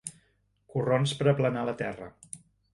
Corrons per aplanar la terra.